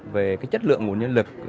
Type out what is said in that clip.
về chất lượng nguồn nhân lực